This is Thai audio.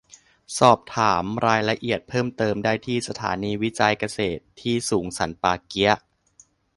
สอบถามรายละเอียดเพิ่มเติมได้ที่สถานีวิจัยเกษตรที่สูงสันป่าเกี๊ยะ